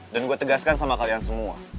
dan gue tegaskan sama kalian semua